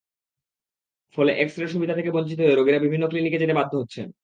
ফলে এক্স-রের সুবিধা থেকে বঞ্চিত হয়ে রোগীরা বিভিন্ন ক্লিনিকে যেতে বাধ্য হচ্ছেন।